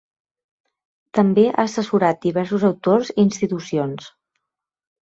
També ha assessorat diversos autors i institucions.